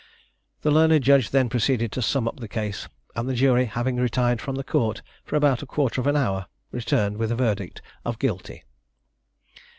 The learned Judge then proceeded to sum up the case, and the Jury having retired from the Court, for about a quarter of an hour, returned with a verdict of Guilty.